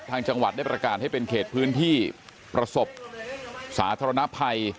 จังหวัดได้ประกาศให้เป็นเขตพื้นที่ประสบสาธารณภัย